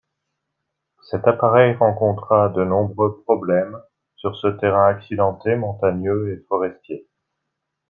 Cet appareil rencontra de nombreux problèmes sur ce terrain accidenté, montagneux et forestier.